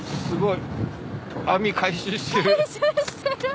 すごい！